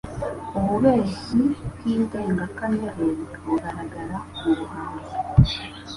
Ububeshyi bw'indengakamere bugaragara mu bahanzi